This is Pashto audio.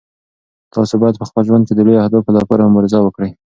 تاسو باید په ژوند کې د لویو اهدافو لپاره مبارزه وکړئ.